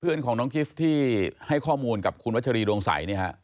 เพื่อนของน้องกิฟต์ที่ให้ข้อมูลกับคุณวัชรีดวงใสเนี่ยฮะ